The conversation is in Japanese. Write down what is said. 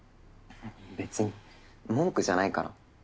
別に文句じゃないから。